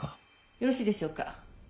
よろしいでしょうか？